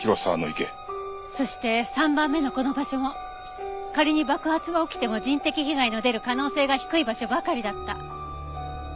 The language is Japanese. そして３番目のこの場所も仮に爆発が起きても人的被害の出る可能性が低い場所ばかりだった。